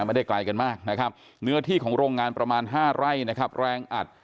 ไม่ได้ไกลกันมากนะครับเนื้อที่ของโรงงานประมาณ๕ไร่นะครับแรงอัด